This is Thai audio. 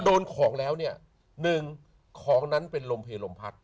โดนของแล้วเนี่ยหนึ่งของนั้นเป็นลมเพลลมพัด